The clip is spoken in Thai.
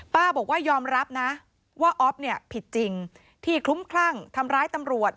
บอกว่ายอมรับนะว่าอ๊อฟเนี่ยผิดจริงที่คลุ้มคลั่งทำร้ายตำรวจ